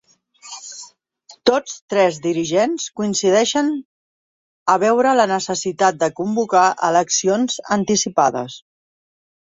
Tots tres dirigents coincideixen a veure la necessitat de convocar eleccions anticipades